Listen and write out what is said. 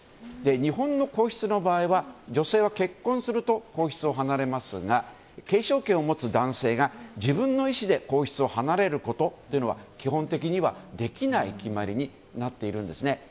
日本の皇室の場合は女性は結婚すると皇室を離れますが継承権を持つ男性が自分の意思で皇室を離れることは基本的にはできない決まりになっているんですね。